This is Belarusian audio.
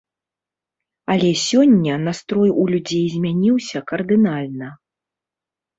Але сёння настрой у людзей змяніўся кардынальна.